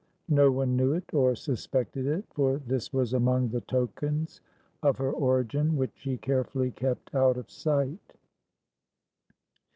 No one knew it, or suspected it, for this was among the tokens of her origin which she carefully kept out of sight.